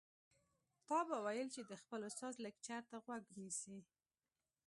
تا به ويل چې د خپل استاد لکچر ته غوږ نیسي.